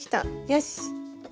よし！